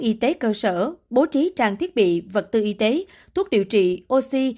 hà nội đã đạt được hệ thống y tế cơ sở bố trí trang thiết bị vật tư y tế thuốc điều trị oxy